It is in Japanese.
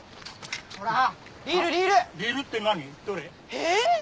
えっ！？